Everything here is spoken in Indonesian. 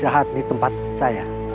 jahat di tempat saya